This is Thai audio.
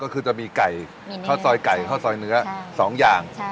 ก็คือจะมีไก่ข้าวซอยไก่ข้าวซอยเนื้อ๒อย่าง